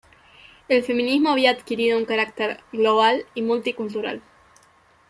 El feminismo había adquirido un carácter global y multicultural.